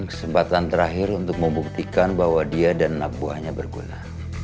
kesempatan terakhir untuk membuktikan bahwa dia dan anak buahnya berguna